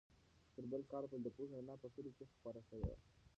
تر بل کال به د پوهې رڼا په کلي کې خپره سوې وي.